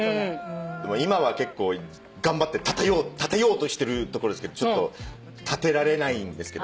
今は結構頑張って立てよう立てようとしてるとこですけどちょっと立てられないんですけど。